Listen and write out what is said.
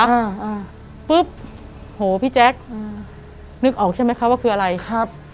อ่าอ่าปุ๊บโหพี่แจ๊คอืมนึกออกใช่ไหมคะว่าคืออะไรครับ